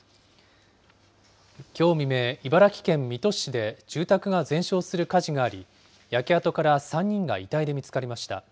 きょう未明、茨城県水戸市で住宅が全焼する火事があり、焼け跡から３人が遺体で見つかりました。